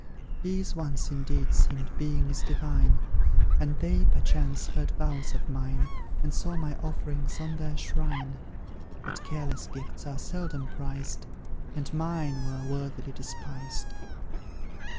These, once, indeed, seemed Beings Divine; And they, perchance, heard vows of mine, And saw my offerings on their shrine; But careless gifts are seldom prized, And MINE were worthily despised.